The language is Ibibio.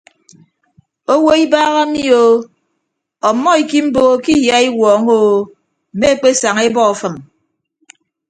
Owo ibaha mi o ọmmọ ikiimboho ke iyaiwuọñọ o mme ekpesaña ebọ afịm.